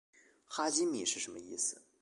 哈基米是什么意思？